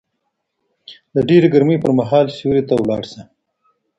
د ډېرې ګرمۍ پر مهال سيوري ته ولاړ شه